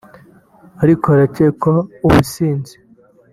ariko harakekwa ubusinzi